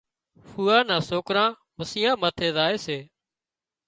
ڦوئا نا سوڪران مسيان ماٿي زائي سي